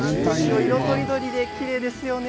色とりどりできれいですよね。